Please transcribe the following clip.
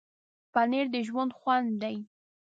پنېر د ژوند خوند دی.